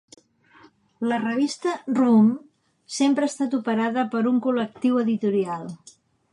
La revista "Room" sempre ha estat operada per un col·lectiu editorial.